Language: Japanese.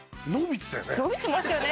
伸びてましたよね